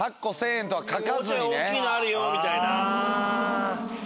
もうちょい大きいのあるよみたいな。